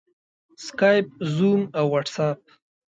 سکایپ، زوم او واټساپ